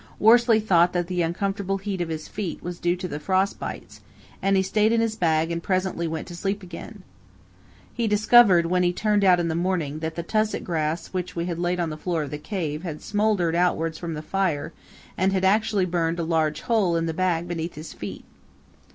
Worsley thought that the uncomfortable heat of his feet was due to the frost bites, and he stayed in his bag and presently went to sleep again. He discovered when he turned out in the morning that the tussock grass which we had laid on the floor of the cave had smouldered outwards from the fire and had actually burned a large hole in the bag beneath his feet.